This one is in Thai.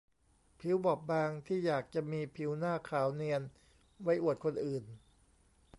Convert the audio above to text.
ผิวบอบบางที่อยากจะมีผิวหน้าขาวเนียนไว้อวดคนอื่น